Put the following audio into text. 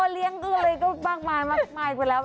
อ๋อเลี้ยงก็เลยก็มากมายมากมายไปแล้ว